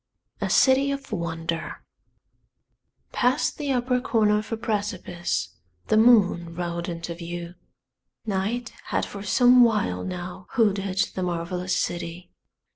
A CITY OF WONDER Past the upper corner of a precipice the moon rode into view. Night had for some while now hooded the marvelous city.